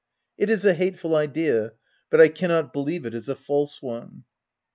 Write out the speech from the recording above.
It is a hateful idea, but I cannot believe it is a false one.